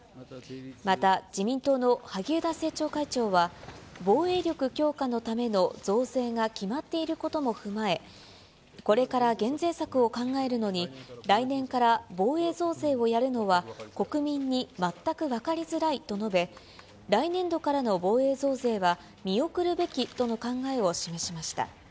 また、自民党の萩生田政調会長は、防衛力強化のための増税が決まっていることも踏まえ、これから減税策を考えるのに、来年から防衛増税をやるのは国民に全く分かりづらいと述べ、来年度からの防衛増税は見送るべきとの考えを示しました。